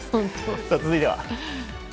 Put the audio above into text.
続いては。